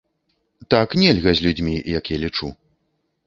Так нельга з людзьмі, як я лічу.